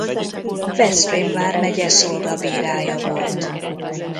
Veszprém Vármegye szolgabírája volt.